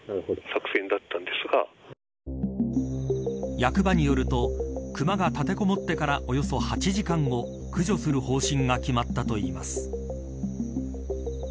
役場によると熊が立てこもってからおよそ８時間後駆除する方針が決まったといいます。